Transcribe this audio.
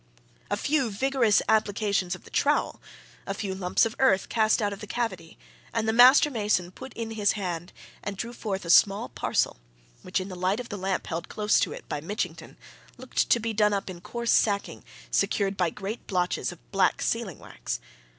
A few vigorous applications of the trowel, a few lumps of earth cast out of the cavity, and the master mason put in his hand and drew forth a small parcel, which in the light of the lamp held close to it by Mitchington looked to be done up in coarse sacking, secured by great blotches of black sealing wax.